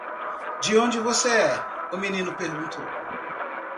"De onde você é?" o menino perguntou.